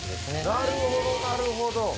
なるほどなるほど。